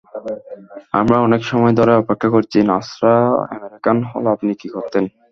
আমরা অনেক সময় ধরে অপেক্ষা করছি নার্সরা আমেরিকান হলে আপনি কী করতেন?